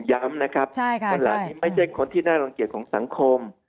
ย้ำนะครับคนเหล่านี้ไม่ใช่คนที่น่ารังเกียจของสังคม